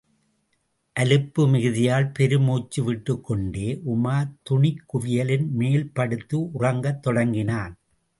அலுப்பு மிகுதியால் பெருமூச்சு விட்டுக்கொண்டே உமார் துணிக் குவியலின் மேல்படுத்து உறங்கத் தொடங்கினான்.